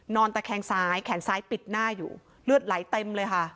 ตะแคงซ้ายแขนซ้ายปิดหน้าอยู่เลือดไหลเต็มเลยค่ะ